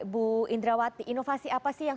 bu indrawati inovasi apa sih yang